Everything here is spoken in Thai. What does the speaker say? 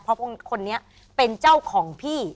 เพราะคนนี้เป็นเจ้าของพี่